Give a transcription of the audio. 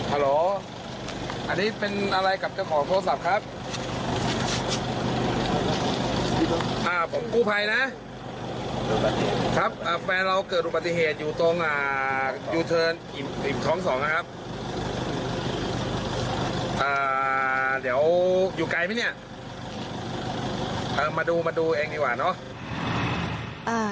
อ่าเดี๋ยวอยู่ไกลมั้ยเนี่ยมาดูเองดีกว่าเนาะ